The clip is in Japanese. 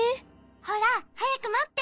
ほらはやくもって。